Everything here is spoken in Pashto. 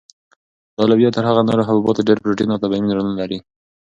دا لوبیا تر هغو نورو حبوباتو ډېر پروټین او طبیعي منرالونه لري.